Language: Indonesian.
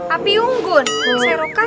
api unggun serokan